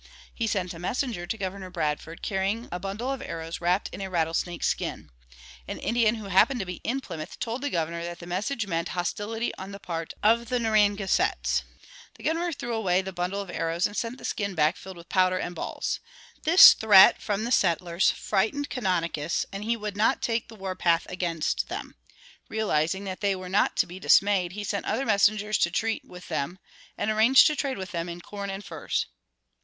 He sent a messenger to Governor Bradford, carrying a bundle of arrows wrapped in a rattlesnake's skin. An Indian who happened to be in Plymouth told the Governor that the message meant hostility on the part of the Narragansetts. The Governor threw away the bundle of arrows and sent the skin back filled with powder and balls. This threat from the settlers frightened Canonicus and he would not take the war path against them. Realizing that they were not to be dismayed, he sent other messengers to treat with them, and arranged to trade with them in corn and furs.